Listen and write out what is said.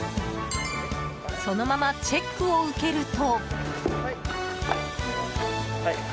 そのままチェックを受けると。